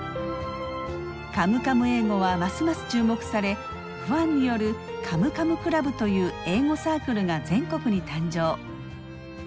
「カムカム英語」はますます注目されファンによるカムカムクラブという英語サークルが全国に誕生。